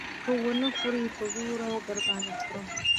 که يې ونه خورې نو په زور يې در باندې خورم.